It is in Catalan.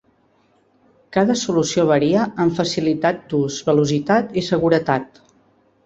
Cada solució varia en facilitat d'ús, velocitat i seguretat.